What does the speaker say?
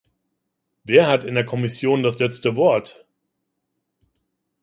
Wer hat in der Kommission das letzte Wort?